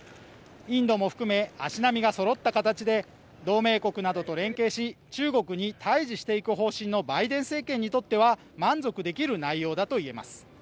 インドも含め、足並みがそろった形で同盟国などと連携し中国に対じしていく方針のバイデン政権にとっては満足できる内容だと言えます。